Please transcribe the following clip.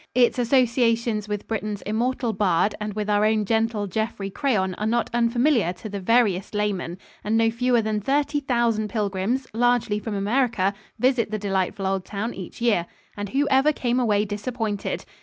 Its associations with Britain's immortal bard and with our own gentle Geoffrey Crayon are not unfamiliar to the veriest layman, and no fewer than thirty thousand pilgrims, largely from America, visit the delightful old town each year. And who ever came away disappointed?